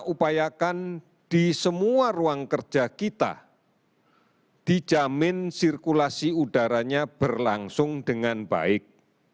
upayakan di semua ruang kerja kita dijamin sirkulasi udaranya berlangsung dengan baik